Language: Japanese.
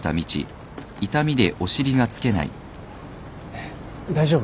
えっ大丈夫？